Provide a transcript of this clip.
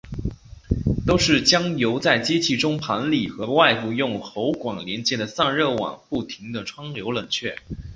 都是将油在机器的中盘里和在外部用喉管连接的散热网不停地穿流冷却。